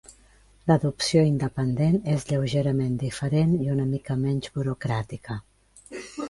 L'adopció independent és lleugerament diferent i una mica menys burocràtica.